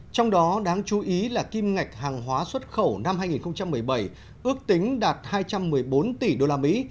trong đó đáng chú ý là kim ngạch hàng hóa xuất khẩu năm hai nghìn một mươi bảy ước tính đạt hai trăm một mươi bốn tỷ usd